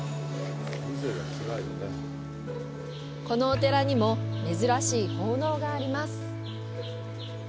このお寺にも珍しい奉納があります。